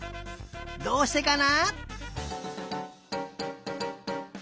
どうしてかな？